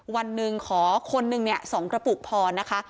วันหนึ่งขอคนนึงเนี่ย๒กระปุกพอนะคะ